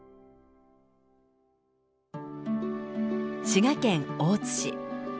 滋賀県大津市。